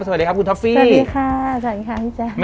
สวัสดีครับคุณท็อปฟี่